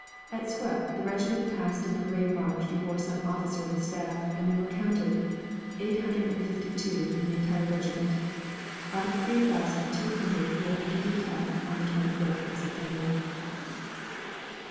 At Suippes the regiment passed in parade march before some officer of the staff, and we were counted: eight hundred and fifty two in the entire regiment, out of three thousand two hundred who entered the attack on the 25th of September!